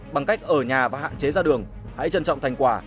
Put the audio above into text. bằng cách ở nhà và hạn chế ra đường hãy trân trọng thành quả